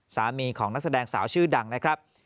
สามีของนักแสดงสาวชื่อดังนะครับ